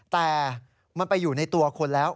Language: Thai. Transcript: แต่มันไปอยู่ในตัวคนแล้ว